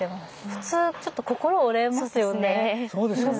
普通ちょっと心折れますよね。